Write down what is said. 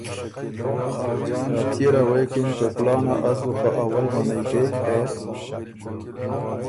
ا پئے له غوېکِن که کُلانا از بُو خه اول منعئ کېک هې